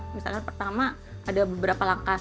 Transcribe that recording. misalkan pertama ada beberapa langkah